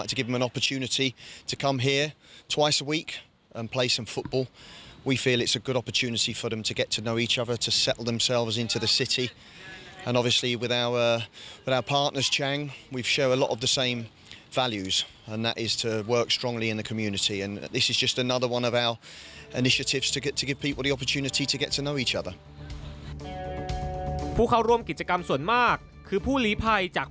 ผู้เข้าร่วมกิจกรรมส่วนมากคือผู้หลีภัยจาก